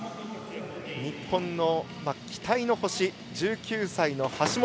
日本の期待の星、１９歳の橋本。